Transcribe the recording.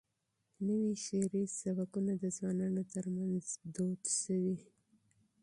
نوي شعري سبکونه د ځوانانو ترمنځ دود شوي.